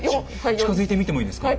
近づいて見てもいいですか？